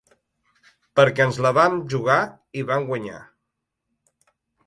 Perquè ens la vam jugar i vam guanyar.